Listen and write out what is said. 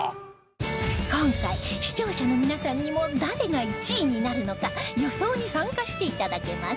今回視聴者の皆さんにも誰が１位になるのか予想に参加して頂けます